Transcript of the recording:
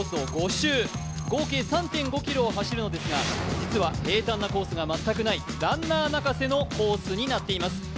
５周合計３．５ｋｍを走るのですが実は平たんなコースが全くない、ランナー泣かせのコースになっています。